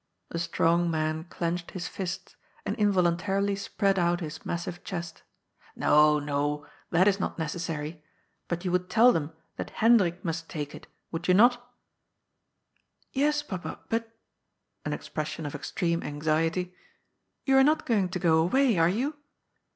The strong man clenched his fists, and involuntarily spread out his massive chest. *'No, no, that is not necessary. But you would tell them that Hendrik must take it ; would you not ?"" Yes, Papa, but" — an expression of extreme anxiety —" you are not going to go away, are you